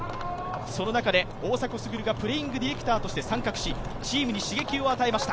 その中で大迫傑がプレーイングディレクターとして参画しチームに刺激を与えました。